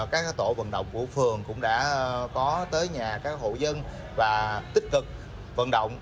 các tổ vận động của phường cũng đã có tới nhà các hộ dân và tích cực vận động